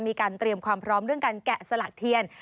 มีการเตรียมความพร้อมเรื่องการแกะสลักเทียน